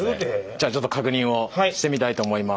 じゃあちょっと確認をしてみたいと思います。